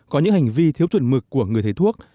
có những hành vi thiếu chuẩn mực của người thầy thuốc